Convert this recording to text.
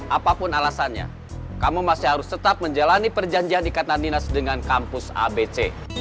apapun alasannya kamu masih harus tetap menjalani perjanjian ikatan dinas dengan kampus abc